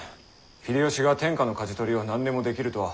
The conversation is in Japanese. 秀吉が天下のかじ取りを何年もできるとは思えん。